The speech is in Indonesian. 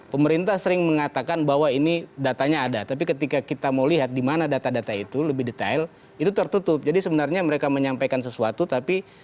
pemerintah sering mengatakan bahwa ini datanya ada tapi ketika kita mau lihat di mana data data itu lebih detail itu tertutup jadi sebenarnya mereka menyampaikan sesuatu tapi